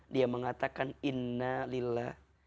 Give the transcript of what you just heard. dia mengatakan innalillah